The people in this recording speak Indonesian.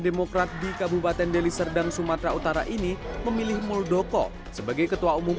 demokrat di kabupaten deli serdang sumatera utara ini memilih muldoko sebagai ketua umum